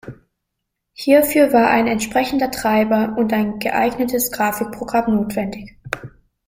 Hierfür war ein entsprechender Treiber und ein geeignetes Grafikprogramm notwendig.